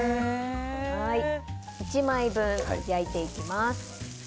１枚分焼いていきます。